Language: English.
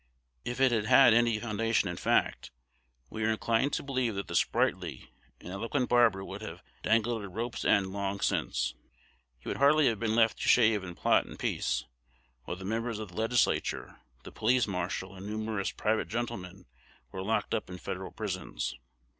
If it had had any foundation in fact, we are inclined to believe that the sprightly and eloquent barber would have dangled at a rope's end long since. He would hardly have been left to shave and plot in peace, while the members of the Legislature, the police marshal, and numerous private gentlemen, were locked up in Federal prisons.